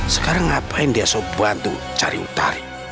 sekarang ngapain dia sop banteng cari utari